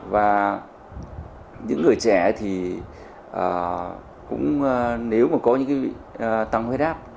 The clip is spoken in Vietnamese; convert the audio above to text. và những người trẻ thì cũng nếu mà có những tăng huyết áp